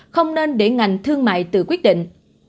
không nên để ngành thương mại tự quyết định